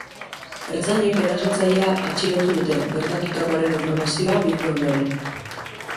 Ertzainek erasotzailea atxilotu dute, gertatutakoaren informazioa bildu ondoren.